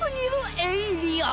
「エイリアン？」